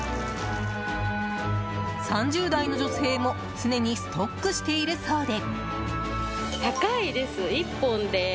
３０代の女性も、常にストックしているそうで。